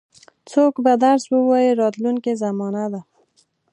څوک به درس ووایي راتلونکې زمانه ده.